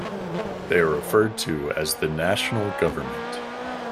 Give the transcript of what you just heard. They are referred to as the "National Government".